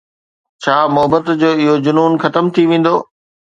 ڇا محبت جو اهو جنون ختم ٿي ويندو؟